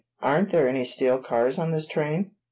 "Aren't there any steel cars on this train?"